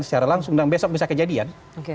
secara langsung dan besok bisa kejadian